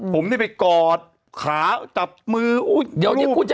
ผมนี่ไปกอดขาจับมืออุ๊ยดิ